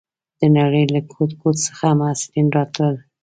د نړۍ له ګوټ ګوټ څخه محصلین راتلل.